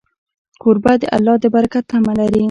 کوربه د الله د برکت تمه لري.